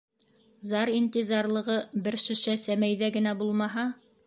Зар-интизарлығы бер шешә сәмәйҙә генә булмаһа.